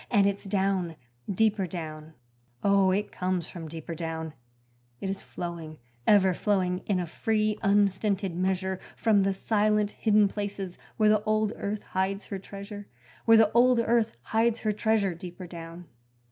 And it's down, deeper down Oh, it comes from deeper down; It is flowing, ever flowing, in a free, unstinted measure From the silent hidden places where the old earth hides her treasure Where the old earth hides her treasure deeper down.